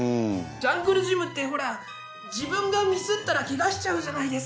ジャングルジムってほら自分がミスったらけがしちゃうじゃないですか。